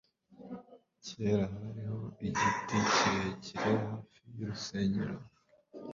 Kera hariho igiti kirekire hafi y'urusengero.